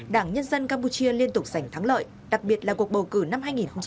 đảng nhân dân campuchia liên tục giành thắng lợi đặc biệt là cuộc bầu cử năm hai nghìn một mươi sáu